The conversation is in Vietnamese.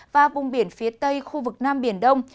và vùng biển phía tây khu vực nam biển đông